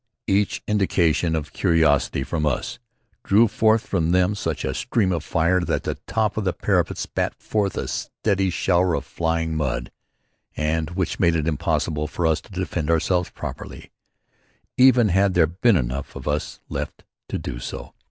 Each indication of curiosity from us drew forth from them such a stream of fire that the top of the parapet spat forth a steady shower of flying mud, and, which made it impossible for us to defend ourselves properly, even had there been enough of us left to do so.